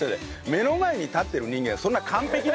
目の前に立ってる人間そんな。